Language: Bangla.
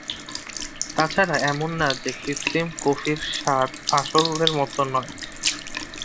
তাছাড়া এমন না যে কৃত্রিম কফির স্বাদ আসলের মতো নয়।